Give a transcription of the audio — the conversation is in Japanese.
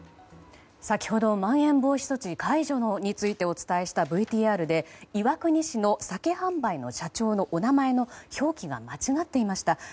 先ほどまん延防止措置解除についてお伝えしたＶＴＲで岩国市の酒販売の社長のお名前の表記が間違っていました。